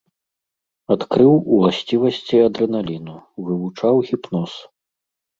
Адкрыў уласцівасці адрэналіну, вывучаў гіпноз.